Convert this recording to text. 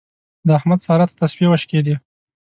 د احمد سارا ته تسپې وشکېدې.